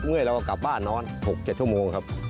เมื่อยเราก็กลับบ้านนอน๖๗ชั่วโมงครับ